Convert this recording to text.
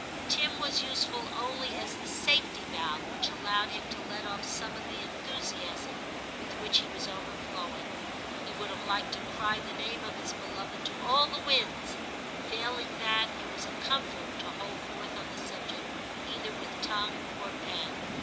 Tim was useful only as the safety valve which allowed him to let off some of the enthusiasm with which he was overflowing. He would have liked to cry the name of his beloved to all the winds ; failing that, it was a comfort to hold forth on the subject either with tongue or pen.